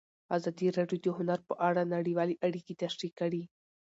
ازادي راډیو د هنر په اړه نړیوالې اړیکې تشریح کړي.